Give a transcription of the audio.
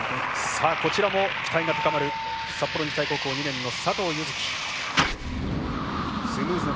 こちらも期待が高まる札幌日大高校２年の佐藤柚月。